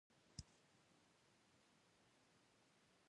ساده خبره هم ځینې وخت لوی بدلون راولي.